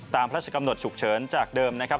พระราชกำหนดฉุกเฉินจากเดิมนะครับ